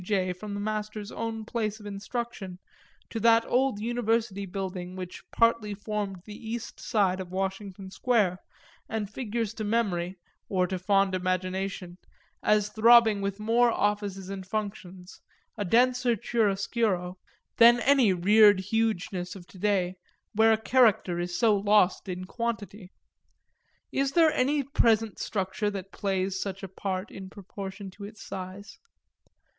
J. from the master's own place of instruction in that old University building which partly formed the east side of Washington Square and figures to memory, or to fond imagination, as throbbing with more offices and functions, a denser chiaroscuro, than any reared hugeness of to day, where character is so lost in quantity. Is there any present structure that plays such a part in proportion to its size?